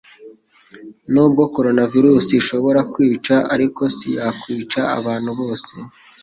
Nubwo koronavirus ishobora kwica ariko siyakwica abantu bose